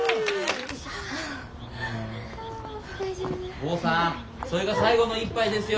・豪さんそいが最後の一杯ですよ。